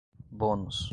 bônus